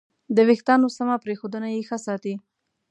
د وېښتیانو سمه پرېښودنه یې ښه ساتي.